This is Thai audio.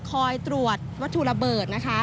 คอยตรวจวัตถุระเบิดนะคะ